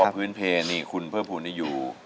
อ๋อเพราะว่าเพลงนี้คุณเพิ่มภูลนี่อยู่